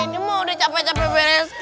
ini mah udah capek capek beres